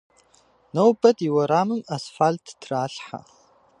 Нобэ ди уэрамым асфалът тралъхьэ.